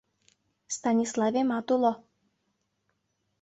Станиславемат уло.